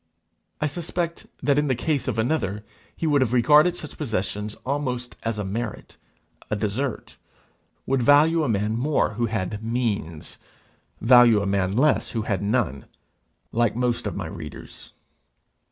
I suspect that in the case of another, he would have regarded such possession almost as a merit, a desert; would value a man more who had means, value a man less who had none like most of my readers.